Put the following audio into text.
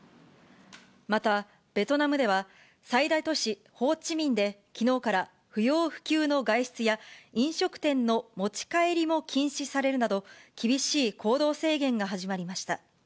また、ベトナムでは、最大都市ホーチミンできのうから不要不急の外出や、飲食店の持ち帰りも禁止されるなど、厳しい行動制限が始まりました。